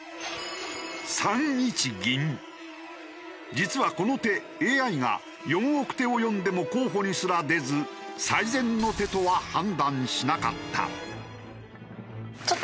実はこの手ＡＩが４億手を読んでも候補にすら出ず最善の手とは判断しなかった。